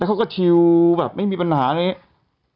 เขาก็ชิวแบบไม่มีปัญหาอะไรอย่างนี้